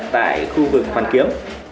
tại khu vực hoàn kiếm